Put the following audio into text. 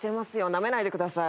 なめないでください